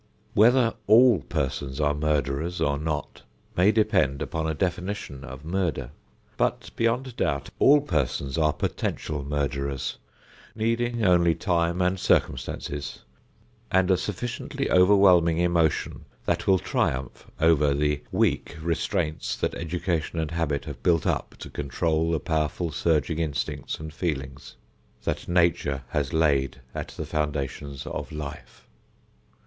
Whether all persons are murderers or not may depend upon a definition of murder. But, beyond doubt, all persons are potential murderers, needing only time and circumstances, and a sufficiently overwhelming emotion that will triumph over the weak restraints that education and habit have built up, to control the powerful surging instincts and feelings that Nature has laid at the foundation of life.